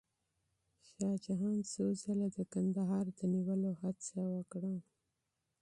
شاه جهان څو ځله د کندهار د نیولو هڅه وکړه.